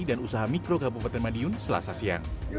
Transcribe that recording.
dan usaha mikro kabupaten madiun selasasian